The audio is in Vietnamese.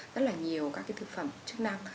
rất là nhiều các cái thực phẩm chức năng